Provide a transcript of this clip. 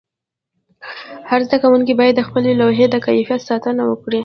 هر زده کوونکی باید د خپلې لوحې د کیفیت ساتنه وکړي.